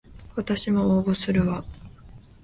わたしも応募するわ